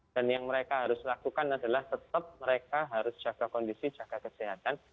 dan yang mereka harus lakukan adalah tetap mereka harus jaga kondisi jaga kesehatan